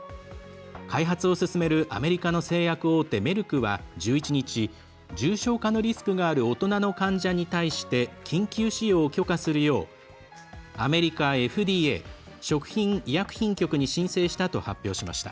開発を進めるアメリカの製薬大手メルクは１１日、重症化のリスクがある大人の患者に対して緊急使用を許可するようアメリカＦＤＡ＝食品医薬品局に申請したと発表しました。